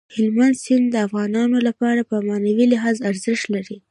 هلمند سیند د افغانانو لپاره په معنوي لحاظ ارزښت لري.